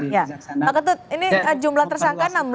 ya pak ketut ini jumlah tersangka enam belas